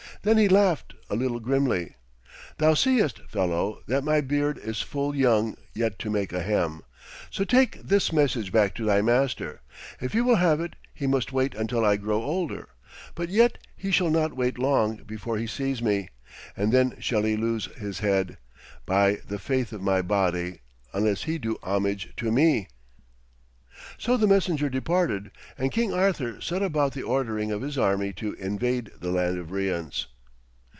Then he laughed a little grimly. 'Thou seest, fellow, that my beard is full young yet to make a hem. So take this message back to thy master. If he will have it, he must wait until I grow older; but yet he shall not wait long before he sees me, and then shall he lose his head, by the faith of my body, unless he do homage to me.' So the messenger departed, and King Arthur set about the ordering of his army to invade the land of Rience.